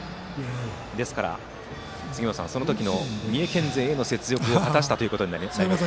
ですから、その時の三重県勢への雪辱を果たしたということになりますね。